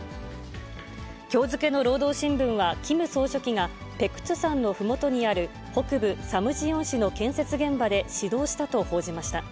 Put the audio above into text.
きょう付けの労働新聞は、キム総書記が、ペクトゥ山のふもとにある、北部サムジヨン市の建設現場で指導したと報じました。